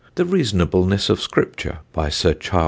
_; The Reasonableness of Scripture, by Sir Chas.